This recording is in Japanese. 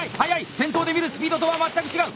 店頭で見るスピードとは全く違う！